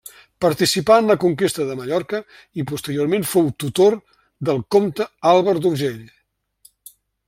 Participà en la conquesta de Mallorca i posteriorment fou tutor del comte Àlvar d'Urgell.